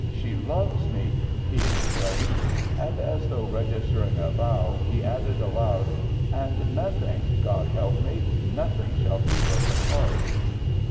"She loves me!" he exclaimed; and, as though registering a vow, he added aloud, "And nothing God help me! nothing shall keep us apart."